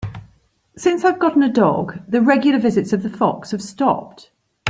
Since I've gotten a dog, the regular visits of the fox have stopped.